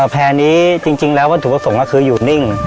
แพร่นี้จริงแล้ววัตถุประสงค์ก็คืออยู่นิ่ง